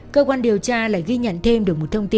cơ quan điều tra lại ghi nhận thêm được một thông tin